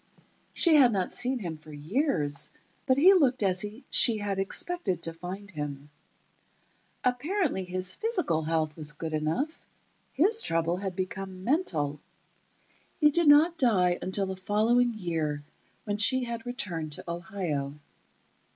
She had not seen him for years, but he looked as she had expected to find him. Apparently, his physical health was good enough; his trouble had become mental. He did not die until the following year, when she had returned to Ohio.